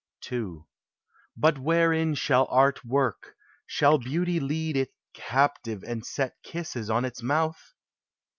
ii. But wherein shall art work? Shall beauty lead It captive, and set kisses <>n its mouth?